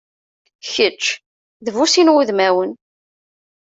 Kečč d bu sin wudmanwen.